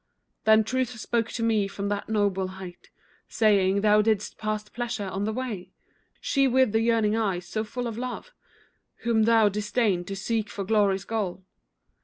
Then Truth spoke to me from that noble height, Saying, "Thou didst pass Pleasure on the way, She with the yearning eyes so full of Love, Whom thou disdained to seek for glory's goal.